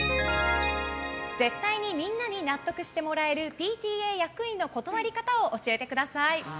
絶対にみんなに納得してもらえるＰＴＡ役員の断り方を教えてください。